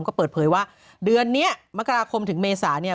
ก็เปิดเผยว่าเดือนนี้มกราคมถึงเมษาเนี่ย